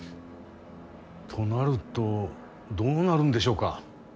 となるとどうなるんでしょうか？